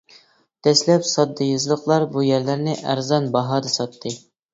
دەسلەپ ساددا يېزىلىقلار بۇ يەرلەرنى ئەرزان باھادا ساتتى.